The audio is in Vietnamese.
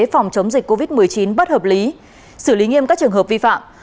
phòng chống dịch covid một mươi chín bất hợp lý xử lý nghiêm các trường hợp vi phạm